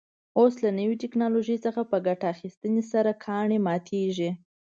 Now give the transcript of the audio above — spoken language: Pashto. اوس له نوې تکنالوژۍ څخه په ګټې اخیستنې سره کاڼي ماتېږي.